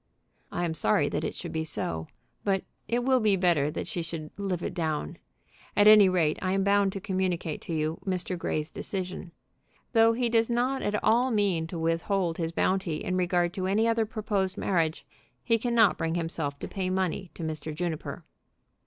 "I am sorry that it should be so. But it will be better that she should live it down. At any rate, I am bound to communicate to you Mr. Grey's decision. Though he does not at all mean to withhold his bounty in regard to any other proposed marriage, he cannot bring himself to pay money to Mr. Juniper."